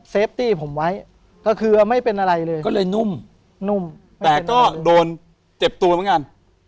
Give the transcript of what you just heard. ตี้ผมไว้ก็คือไม่เป็นอะไรเลยก็เลยนุ่มนุ่มแต่ก็โดนเจ็บตัวเหมือนกัน